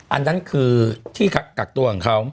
อันนั้นคือที่กักตัวของเขา